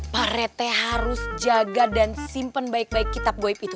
pak rete harus jaga dan simpen baik baik kitab goib itu